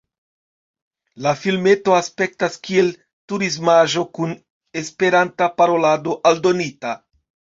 La filmeto aspektas kiel turismaĵo kun esperanta parolado aldonita.